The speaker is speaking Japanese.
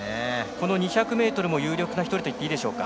２００ｍも有力な１人と言っていいでしょうか。